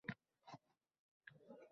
Bugungi xizmatiga minnatdorchilik bildirdi.